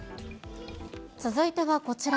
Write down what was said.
続いてはこちら。